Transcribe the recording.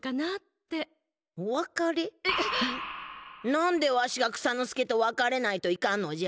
なんでわしが草ノ助とわかれないといかんのじゃ？